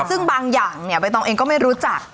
ซึ่งบางอย่างเนี่ยใบตองเองก็ไม่รู้จัก